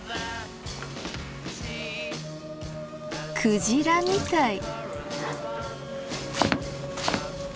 クジラみたい。